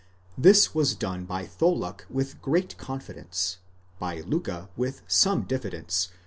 This is done by Tholiick with great confidence, by Liicke with some diffidence